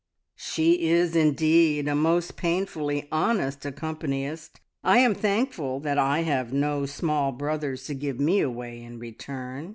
"She is indeed a most painfully honest accompanist. I am thankful that I have no small brothers to give me away in return.